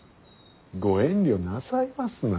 ご遠慮なさいますな。